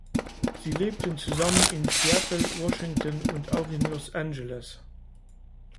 Sie lebten zusammen in Seattle, Washington und auch in Los Angeles.